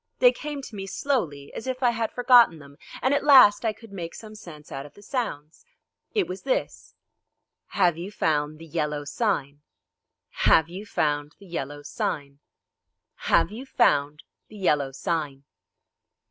They came to me slowly as if I had forgotten them, and at last I could make some sense out of the sounds. It was this: "Have you found the Yellow Sign?" "Have you found the Yellow Sign?" "Have you found the Yellow Sign?"